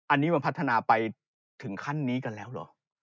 อันนี้มันพัฒนาไปถึงขั้นนี้กันแล้วเหรอ